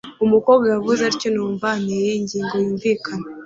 umukobwa yavuze atyo numva anteye ingingo yumvikana